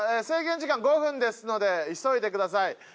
制限時間５分ですので急いでください。